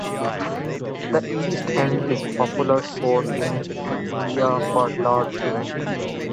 The East End is a popular spot in Adelaide for large events.